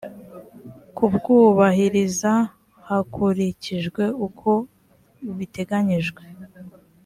kubwubahiriza hakurikijwe uko biteganyijwe